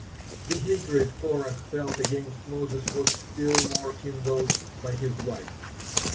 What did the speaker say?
The hatred Korah felt against Moses was still more kindled by his wife.